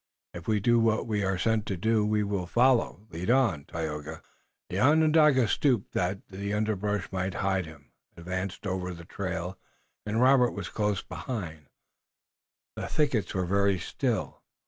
"If we do what we are sent to do we will follow." "Lead on, Tayoga." The Onondaga stooped that the underbrush might hide him, advanced over the trail, and Robert was close behind. The thickets were very still.